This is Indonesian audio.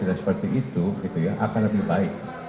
akan lebih baik